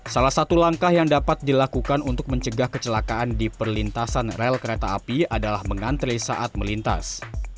salah satu langkah yang dapat dilakukan untuk mencegah kecelakaan di perlintasan rel kereta api adalah mengantri saat melintas